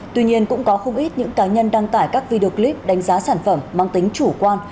tuy nhiên cũng có không ít những cá nhân đăng tải các video clip đánh giá sản phẩm mang tính chủ quan